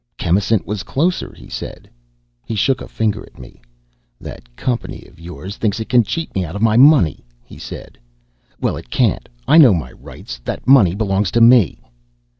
"Chemisant was closer," he said. He shook a finger at me. "That company of yours thinks it can cheat me out of my money," he said. "Well, it can't. I know my rights. That money belongs to me."